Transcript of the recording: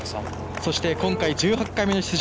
そして、今回１８回目の出場